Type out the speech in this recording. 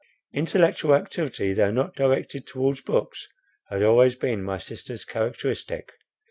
Intellectual activity, though not directed towards books, had always been my sister's characteristic.